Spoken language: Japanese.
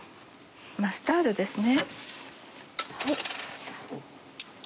マスタードですね。